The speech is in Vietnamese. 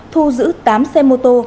thu giữ tám xe mô tô